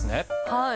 はい。